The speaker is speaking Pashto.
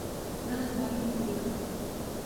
زه د زمري نوم لیکم.